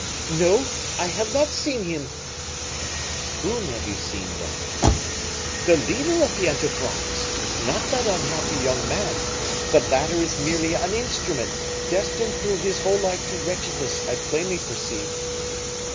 "No, I have not seen him." "Whom have you seen, then?" "The leader of the enterprise, not that unhappy young man; the latter is merely an instrument, destined through his whole life to wretchedness, I plainly perceive."